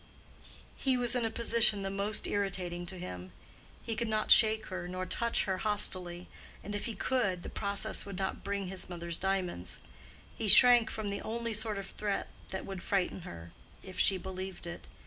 He was in a position the most irritating to him. He could not shake her nor touch her hostilely; and if he could, the process would not bring his mother's diamonds. He shrank from the only sort of threat that would frighten her—if she believed it.